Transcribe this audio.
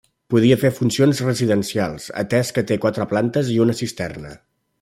Podia fer funcions residencials, atès que té quatre plantes i una cisterna.